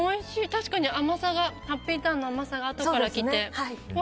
確かにハッピーターンの甘さがあとからきて。